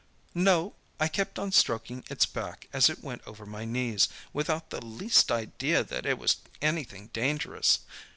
"No; I kept on stroking its back as it went over my knees, without the least idea that it was anything dangerous.